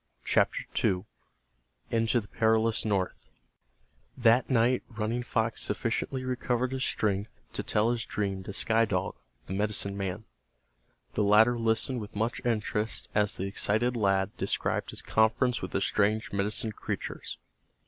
CHAPTER II—INTO THE PERILOUS NORTH That night Running Fox sufficiently recovered his strength to tell his dream to Sky Dog, the medicine man. The latter listened with much interest as the excited lad described his conference with the strange medicine creatures.